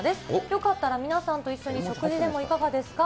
よかったら皆さんと一緒に食事でもいかがですか。